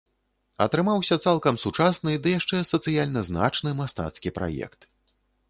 Атрымаўся цалкам сучасны ды яшчэ сацыяльна значны мастацкі праект.